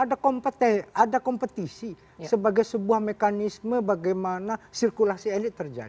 ada kompetisi sebagai sebuah mekanisme bagaimana sirkulasi elit terjadi